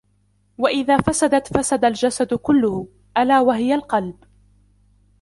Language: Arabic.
وَإِذَا فَسَدَتْ فَسَدَ الْجَسَدُ كُلُّهُ، أَلاَ وهِيَ الْقَلْبُ